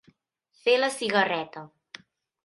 Fer la cigarreta.